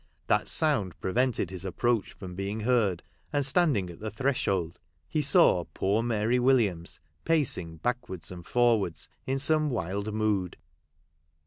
That sound prevented his approach from being heard ; and standing at the threshold, he saw poor Mary Williams pacing backwards and for wards in some wild mood.